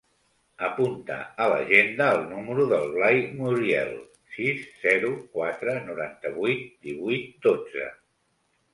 Apunta a l'agenda el número del Blai Muriel: sis, zero, quatre, noranta-vuit, divuit, dotze.